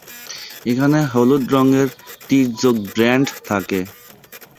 এখানে হলুদ রঙের তির্যক ব্যান্ড থাকে।